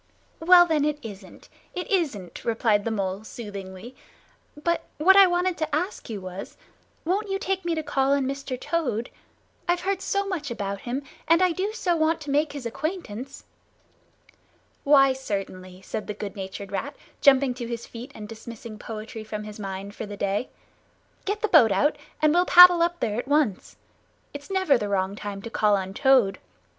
"Well then, it isn't, it isn't," replied the Mole soothingly. "But what I wanted to ask you was, won't you take me to call on Mr. Toad? I've heard so much about him, and I do so want to make his acquaintance." "Why, certainly," said the good natured Rat, jumping to his feet and dismissing poetry from his mind for the day. "Get the boat out, and we'll paddle up there at once. It's never the wrong time to call on Toad.